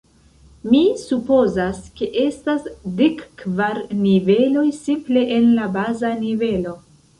Mi supozas ke estas dek kvar niveloj simple en la baza nivelo.